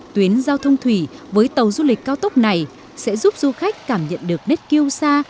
tuyến giao thông thủy với tàu du lịch cao tốc này sẽ giúp du khách cảm nhận được nét kiêu xa